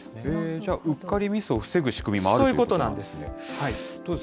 じゃあ、うっかりミスを防ぐ仕組みもあるということなんですそういうことなんです。